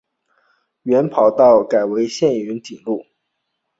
原跑道即改建为现今云锦路。